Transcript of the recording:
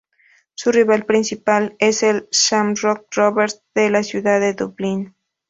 Su rival principal es el Shamrock Rovers de la ciudad de Dublín.